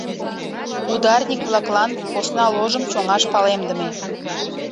— Ударник-влаклан посна ложым чоҥаш палемдыме.